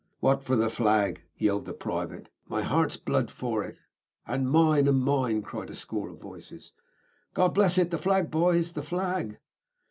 "What for the flag?" yelled the private. "My heart's blood for it! and mine! and mine!" cried a score of voices. "God bless it! The flag, boys the flag!"